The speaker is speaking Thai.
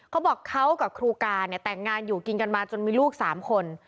เขาบอกเขากับครูการเนี่ยแต่งงานอยู่กินกันมาจนมีลูก๓คน